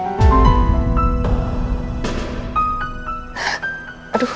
mama gak mau telat